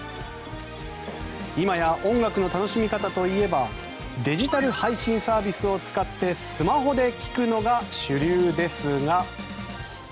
今や音楽の楽しみ方といえばデジタル配信サービスを使ってスマホで聴くのが主流ですが。